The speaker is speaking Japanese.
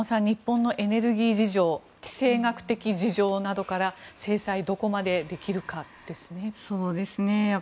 日本のエネルギー事情地政学的事情などから制裁はどこまでできるかですね。